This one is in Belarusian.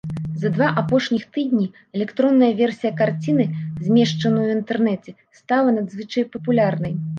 За два апошніх тыдні электронная версія карціны, змешчаная ў інтэрнэце, стала надзвычай папулярнай.